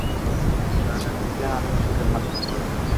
রাজা কহিলেন, আমি বিক্রমাদিত্য।